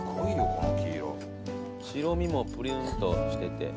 白身もプルンとしてて。